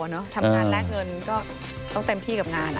ทำงานแลกเงินก็ต้องเต็มที่กับงาน